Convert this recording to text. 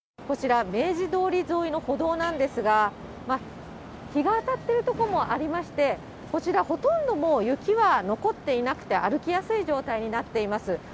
こちら、明治通り沿いの歩道なんですが、日が当たっている所もありまして、こちら、ほとんどもう雪は残っていなくて歩きやすい状態になっています。